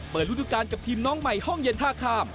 ฤดูการกับทีมน้องใหม่ห้องเย็นท่าข้าม